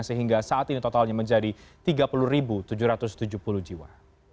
sehingga saat ini totalnya menjadi tiga puluh tujuh ratus tujuh puluh jiwa